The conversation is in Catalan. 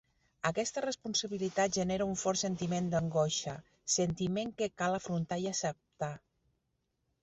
Aquesta responsabilitat genera un fort sentiment d'angoixa, sentiment que cal afrontar i acceptar.